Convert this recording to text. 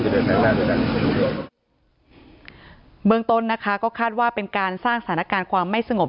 เบื้องต้นนะคะก็คาดว่าเป็นการสร้างสถานการณ์ความไม่สงบ